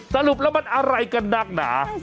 สรุปแล้วมันอะไรกันนักหนา